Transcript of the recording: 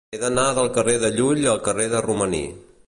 He d'anar del carrer de Llull al carrer de Romaní.